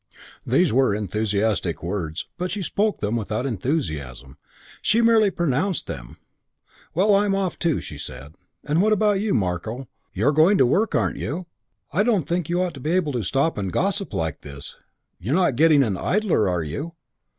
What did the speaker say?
These were enthusiastic words; but she spoke them without enthusiasm; she merely pronounced them. "Well, I'm off too," she said. "And what about you, Marko? You're going to work, aren't you? I don't think you ought to be able to stop and gossip like this. You're not getting an idler, are you?